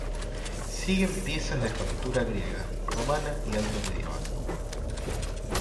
Siguen piezas de factura griega, romana y altomedieval.